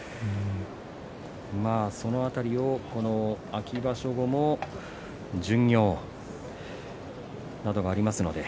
その辺りも秋場所後も巡業などがありますので。